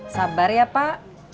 sabar ya pak